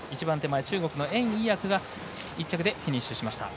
中国の袁偉訳が１着でフィニッシュしました。